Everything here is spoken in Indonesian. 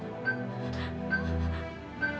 dia sudah berakhir